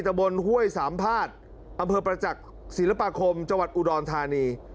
ตะบนห้วยสามภาษณ์อำเภอประจักษ์ศิลปาคมจังหวัดอุดรธานี